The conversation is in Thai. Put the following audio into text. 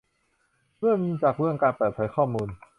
เริ่มจากเรื่องการเปิดเผยข้อมูล